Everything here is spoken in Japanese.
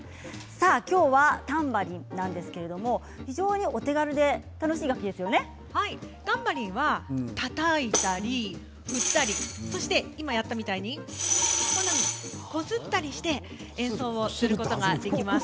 今日はタンバリンなんですけれども非常にタンバリンはたたいたり、振ったり今やったみたいにこんなふうに、こすったりして演奏することができます。